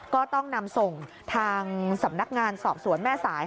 ก็ต้องนำส่งทางสำนักงานแม่สาย